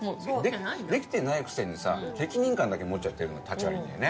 できてないくせにさ責任感だけ持っちゃってるのたち悪いんだよね。